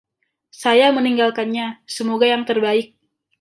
Saya meninggalkannya, semoga yang terbaik.